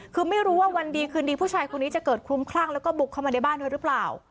คือไม่รู้ว่าวันดีคืนดีผู้ชายคนนี้จะเกิดคลุ้มคลั่งแล้วก็บุกเข้ามาในบ้านด้วยหรือเปล่า